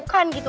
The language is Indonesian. yaa bener itu